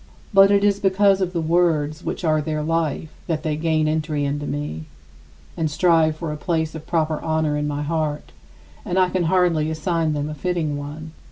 But it is because of the words which are their life that they gain entry into me and strive for a place of proper honor in my heart; and I can hardly assign them a fitting one.